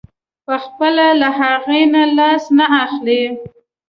پخپله له هغې نه لاس نه اخلي.